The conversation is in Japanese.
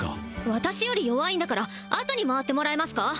私より弱いんだからあとに回ってもらえますか？